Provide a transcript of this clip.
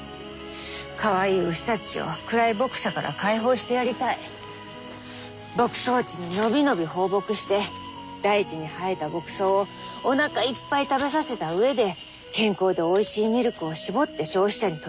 かわいい牛たちを暗い牧舎から解放してやりたい牧草地に伸び伸び放牧して大地に生えた牧草をおなかいっぱい食べさせた上で健康でおいしいミルクを搾って消費者に届ける。